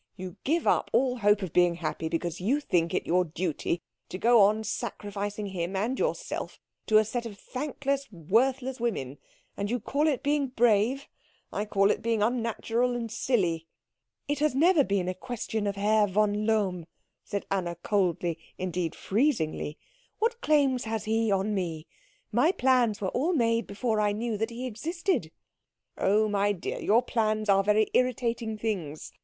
You give up all hope of being happy because you think it your duty to go on sacrificing him and yourself to a set of thankless, worthless women, and you call it being brave. I call it being unnatural and silly." "It has never been a question of Herr von Lohm," said Anna coldly, indeed freezingly. "What claims has he on me? My plans were all made before I knew that he existed." "Oh, my dear, your plans are very irritating things.